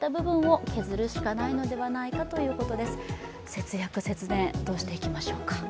節約、節電、どうしていきましょうか。